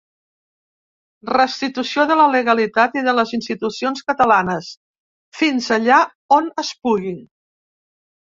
Restitució de la legalitat i de les institucions catalanes, fins allà on es pugui.